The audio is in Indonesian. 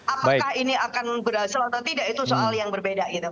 apakah ini akan berhasil atau tidak itu soal yang berbeda gitu